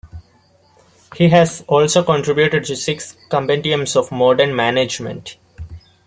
He has also contributed to six compendiums of modern management.